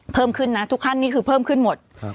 เพิ่มขึ้นนะทุกขั้นนี่คือเพิ่มขึ้นหมด